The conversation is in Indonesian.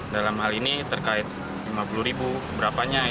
dalam hal ini terkait rp lima puluh keberapanya